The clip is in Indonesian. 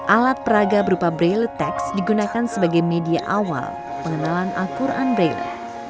alat peraga berupa braille text digunakan sebagai media awal pengenalan al quran braille